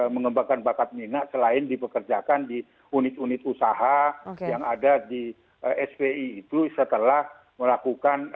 mengembangkan bakat minat selain dipekerjakan di unit unit usaha yang ada di spi itu setelah melakukan